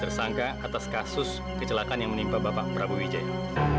tersangka atas kasus kecelakaan yang menimpa bapak prabowo wijaya